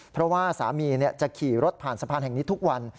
เพราะว่าสามีจะขี่รถผ่านสะพานแห่งนี้ทุกวัน